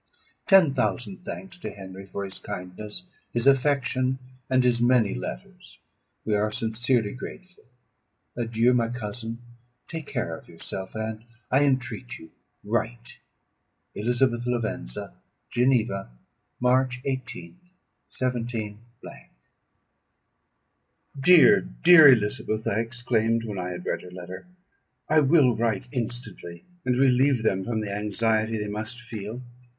Ten thousand thanks to Henry for his kindness, his affection, and his many letters: we are sincerely grateful. Adieu! my cousin; take care of yourself; and, I entreat you, write! "ELIZABETH LAVENZA. "Geneva, March 18th, 17 .""Dear, dear Elizabeth!" I exclaimed, when I had read her letter, "I will write instantly, and relieve them from the anxiety they must feel."